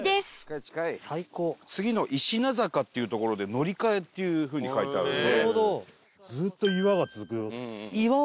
次の石名坂っていう所で乗り換えっていう風に書いてあるんで。